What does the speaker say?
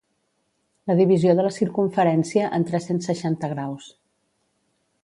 La divisió de la circumferència en tres-cents seixanta graus.